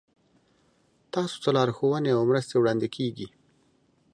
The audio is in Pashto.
تاسو ته لارښوونې او مرستې وړاندې کیږي.